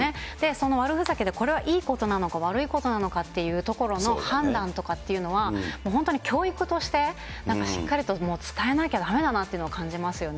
その悪ふざけでこれはいいことなのか、悪いことなのかというところの判断とかっていうのは、もう本当に教育として、しっかりと伝えなきゃだめだなというのを感じますよね。